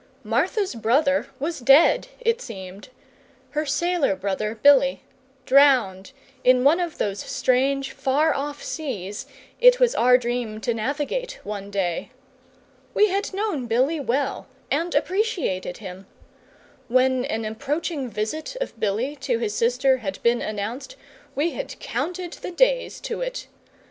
Martha's brother was dead, it seemed her sailor brother Billy; drowned in one of those strange far off seas it was our dream to navigate one day. We had known Billy well, and appreciated him. When an approaching visit of Billy to his sister had been announced, we had counted the days to it.